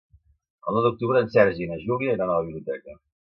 El nou d'octubre en Sergi i na Júlia iran a la biblioteca.